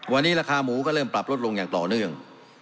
วันนี้ราคาหมูก็เริ่มปรับลดลงอย่างต่อเนื่อง